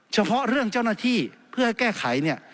เฉพาะเรื่องเจ้าหน้าที่เพื่อแก้ไขเนี่ย